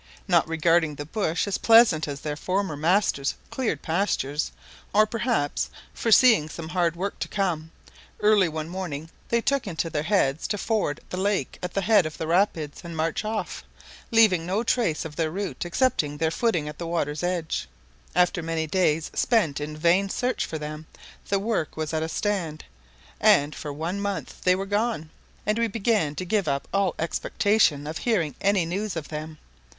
Not regarding the bush as pleasant as their former master's cleared pastures, or perhaps foreseeing some hard work to come, early one morning they took into their heads to ford the lake at the head of the rapids, and march off, leaving no trace of their route excepting their footing at the water's edge. After many days spent in vain search for them, the work was at a stand, and for one month they were gone, and we began to give up all expectation of hearing any news of them.